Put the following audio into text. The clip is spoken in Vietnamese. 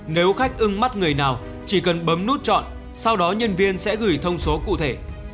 nếu khách ưng mắt người nào chỉ cần bấm nút chọn sau đó nhân viên sẽ gửi thông số cụ thể